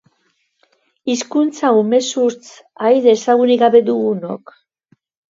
Hizkuntza umezurtz, ahaide ezagunik gabe, duguno.